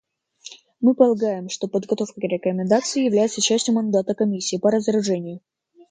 Мы полагаем, что подготовка рекомендаций является частью мандата Комиссии по разоружению.